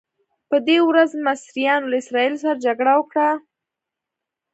په دې ورځ مصریانو له اسراییلو جګړه وګټله.